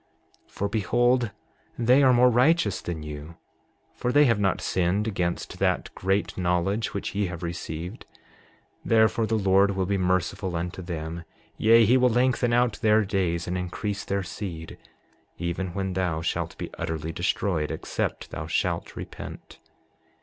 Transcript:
7:24 For behold, they are more righteous than you, for they have not sinned against that great knowledge which ye have received; therefore the Lord will be merciful unto them; yea, he will lengthen out their days and increase their seed, even when thou shalt be utterly destroyed except thou shalt repent.